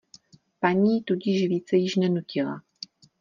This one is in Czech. Paní ji tudíž více již nenutila.